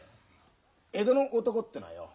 江戸の男ってのはよ